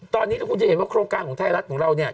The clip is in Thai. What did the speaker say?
ตอนนี้ถ้าคุณจะเห็นว่าโครงการของไทยรัฐของเราเนี่ย